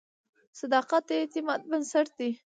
• صداقت د اعتماد بنسټ دی.